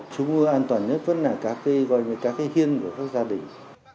chúng an toàn nhất với các cái hiên của các gia đình